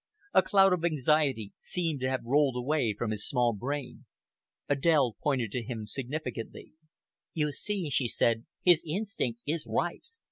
A cloud of anxiety seemed to have rolled away from his small brain. Adèle pointed to him significantly. "You see," she said, "his instinct is right.